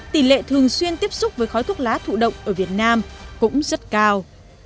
tỷ lệ thường xuyên tiếp xúc với khói thuốc lá thụ động ở việt nam cũng rất cao